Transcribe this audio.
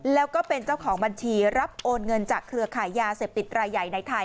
แล้วก็เป็นเจ้าของบัญชีรับโอนเงินจากเครือขายยาเสพติดรายใหญ่ในไทย